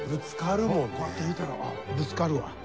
こうやって弾いたらぶつかるわ。